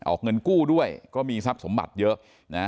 ออกเงินกู้ด้วยก็มีทรัพย์สมบัติเยอะ